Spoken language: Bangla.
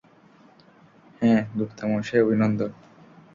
হ্যাঁ, গুপ্তামশাই, অভিনন্দন।